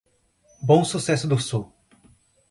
Bom Sucesso do Sul